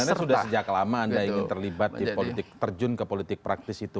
karena sudah sejak lama anda ingin terlibat di politik terjun ke politik praktis itu